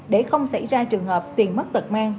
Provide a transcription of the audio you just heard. để không xảy ra trường hợp tiền mất tật mang